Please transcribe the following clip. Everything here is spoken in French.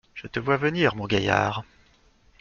Je te vois venir, mon gaillard.